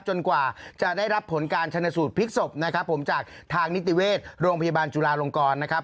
กว่าจะได้รับผลการชนสูตรพลิกศพนะครับผมจากทางนิติเวชโรงพยาบาลจุลาลงกรนะครับ